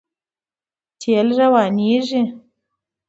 تېل روانېږي.